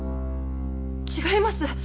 違います！